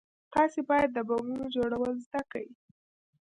تاسې بايد د بمونو جوړول زده کئ.